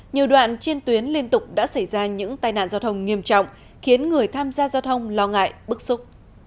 nhiều đoạn trên tuyến liên tục đã xảy ra những tai nạn giao thông nghiêm trọng khiến người tham gia giao thông lo ngại bức xúc